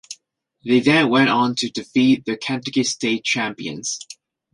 They then went on to defeat the Kentucky State Champions.